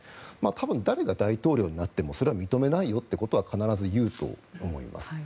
多分、誰が大統領になっても認めないよということは必ず言うと思います。